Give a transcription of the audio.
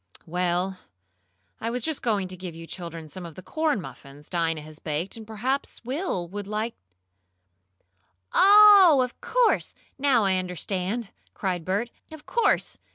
"Well, I was just going to give you children some of the corn muffins Dinah has just baked, and perhaps Will would like " "Oh, of course! Now I understand!" cried Bert. "Of course.